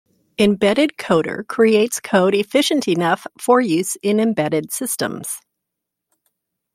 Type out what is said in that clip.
Embedded Coder creates code efficient enough for use in embedded systems.